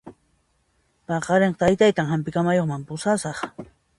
Paqarinqa taytaytan hampi kamayuqman pusasaq